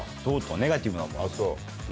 ネガティブなもの。